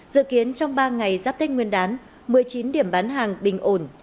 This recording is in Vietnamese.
dự kiến trong ba ngày giáp tết nguyên đán một mươi chín điểm bán hàng bình ổn